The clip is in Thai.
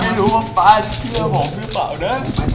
ไม่รู้ว่าป๊าเชื่อผมหรือเปล่านะ